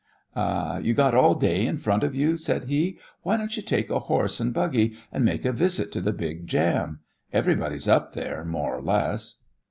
"You got all day in front of you," said he; "why don't you take a horse and buggy and make a visit to the big jam? Everybody's up there more or less."